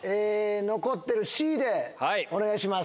残ってるＣでお願いします。